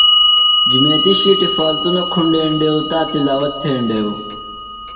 جُمیتیۡ شِیٹیۡ فالتوۡ نہ کُھنڈینڈیوۡ۔ تا تلاوت تھینڈیوۡ۔